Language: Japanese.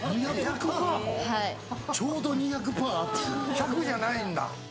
１００じゃないんだ。